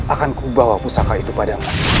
akanku bawa pusaka itu padamu